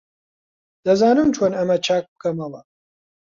دەزانم چۆن ئەمە چاک بکەمەوە.